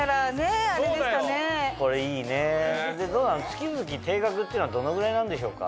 月々定額っていうのはどのぐらいなんでしょうか？